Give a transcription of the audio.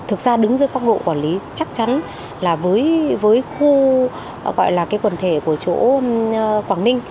thực ra đứng dưới góc độ quản lý chắc chắn là với khu gọi là cái quần thể của chỗ quảng ninh